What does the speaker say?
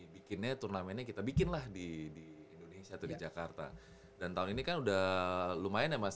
bikinnya turnamennya kita bikinlah di di indonesia atau di jakarta dan tahun ini kan udah lumayan ya mas